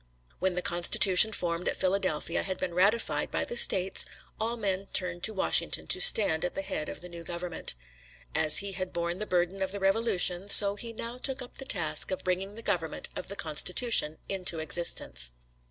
When the Constitution formed at Philadelphia had been ratified by the States, all men turned to Washington to stand at the head of the new government. As he had borne the burden of the Revolution, so he now took up the task of bringing the government of the Constitution into existence.